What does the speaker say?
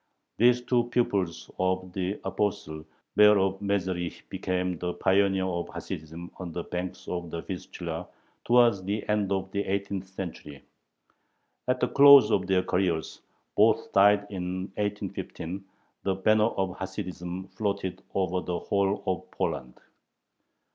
These two pupils of the "apostle" Baer of Mezherich became the pioneers of Hasidism on the banks of the Vistula towards the end of the eighteenth century. At the close of their careers both died in 1815 the banner of Hasidism floated over the whole of Poland.